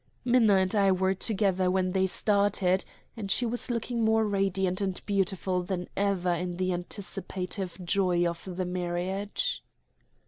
Minna and I were together when they started, and she was looking more radiant and beautiful than ever in the anticipative joy of the marriage.